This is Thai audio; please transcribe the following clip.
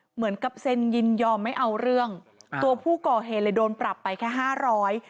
เหมือนกับเซ็นยินยอมไม่เอาเรื่องตัวผู้ก่อเหตุเลยโดนปรับไปแค่ห้าร้อย